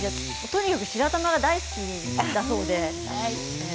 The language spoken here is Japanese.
とにかく白玉が大好きだそうで。